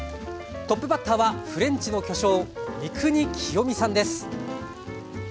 トップバッターはフレンチの巨匠三國清三さんです。